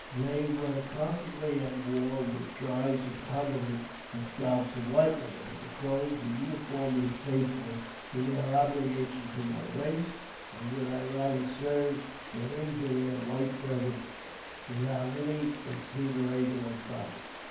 They v^ere constantly at war v^ith tribes who coveted the scalps of the white man, but the Crows were uniformly faithful in their obligations to my race, and would I rather serve than injure their white brethren without any con I sideration of profit.